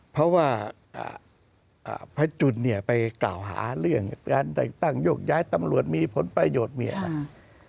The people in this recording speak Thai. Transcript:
เพราะว่าพระจุลเนี่ยไปกล่าวหาเรื่องการแต่งตั้งโยกย้ายตำรวจมีผลประโยชน์เนี่ยนะ